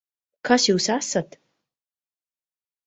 Kas jūs esat?